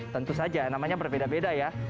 tentu saja namanya berbeda beda ya